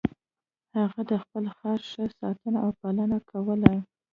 هغه د خپل خر ښه ساتنه او پالنه کوله.